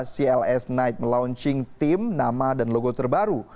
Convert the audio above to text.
cls knight melaunching tim nama dan logo terbaru